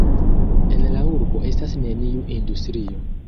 En la urbo estas neniu industrio.